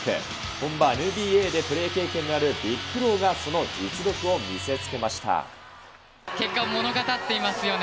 本場ＮＢＡでプレー経験があるヴィック・ローがその実力を見せつ結果を物語っていますよね。